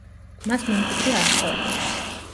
მას მემკვიდრე არ ჰყოლია.